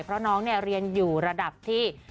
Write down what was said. เพราะน้องเรียนอยู่ระดับที่